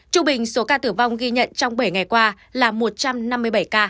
trung bình số ca tử vong ghi nhận trong bảy ngày qua là một trăm năm mươi bảy ca